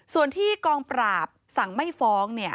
ส่วนที่กองปราบสั่งไม่ฟ้อง